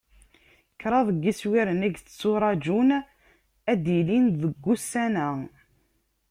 Kraḍ n yiswiren i yetturaǧun ad d-ilin deg wussan-a.